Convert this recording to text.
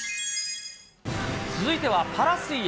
続いてはパラ水泳。